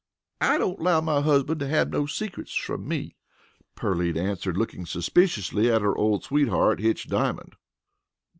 "I don't allow my husbunt to hab no secrets from me," Pearline answered looking suspiciously at her old sweetheart, Hitch Diamond.